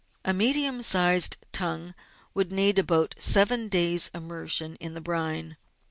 A medium sized tongue would need about seven days' immersion in the brine.